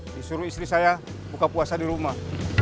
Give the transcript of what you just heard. disuruh istri saya buka puasa di rumah